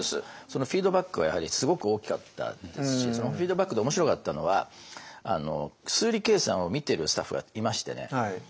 そのフィードバックはやはりすごく大きかったですしそのフィードバックで面白かったのは数理計算を見てるスタッフがいましてね。